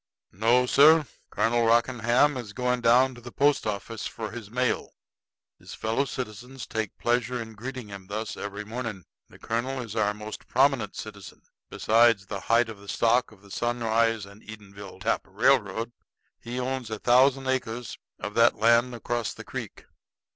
"No, sir; Colonel Rockingham is going down to the post office for his mail. His fellow citizens take pleasure in greeting him thus every morning. The colonel is our most prominent citizen. Besides the height of the stock of the Sunrise & Edenville Tap Railroad, he owns a thousand acres of that land across the creek.